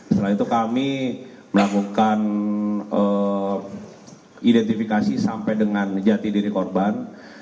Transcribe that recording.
setelah itu kami melakukan identifikasi sampai dengan jati diri korban